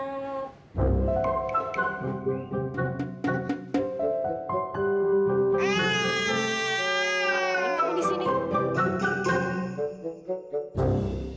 eh kamu di sini